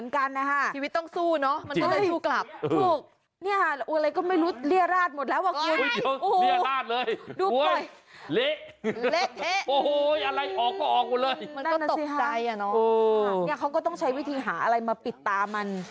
เนี่ยเขาก็ต้องใช้วิธีหาอะไรมาปิดตามัน